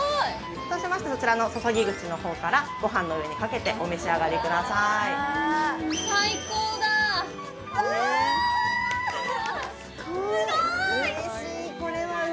そうしましたらそちらの注ぎ口のほうからご飯の上にかけてお召し上がりください・うわすごい！